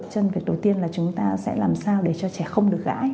chân việc đầu tiên là chúng ta sẽ làm sao để cho trẻ không được gãi